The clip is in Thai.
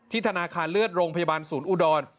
ธนาคารเลือดโรงพยาบาลศูนย์อุดร